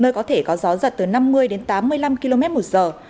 nơi có thể có gió giật từ năm mươi đến tám mươi năm km một giờ